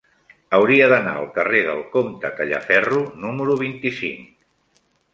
Hauria d'anar al carrer del Comte Tallaferro número vint-i-cinc.